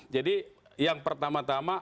jadi yang pertama tama